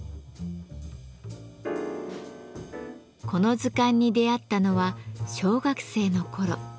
この図鑑に出会ったのは小学生の頃。